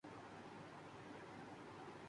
توریاست کے لیے اس کے نتائج بہت خطرناک ہو سکتے ہیں۔